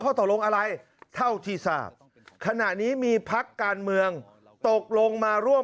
ตกลงอะไรเท่าที่ทราบขณะนี้มีพักการเมืองตกลงมาร่วม